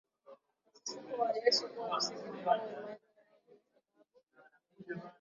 ufufuko wa Yesu kuwa msingi mkuu wa imani yao ndiyo sababu karibu